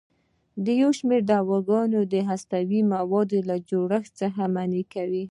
یو شمېر دواګانې د هستوي موادو جوړښت منع کوي.